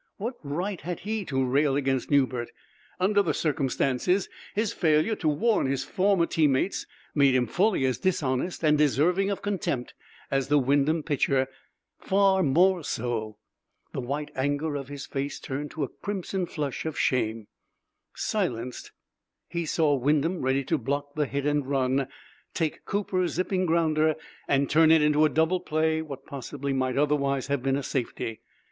What right had he to rail against Newbert? Under the circumstances, his failure to warn his former teammates made him fully as dishonest and deserving of contempt as the Wyndham pitcher far more so. The white anger of his face turned to a crimson flush of shame. Silenced, he saw Wyndham, ready to block the hit and run, take Cooper's zipping grounder and turn into a double play what possibly might otherwise have been a safety.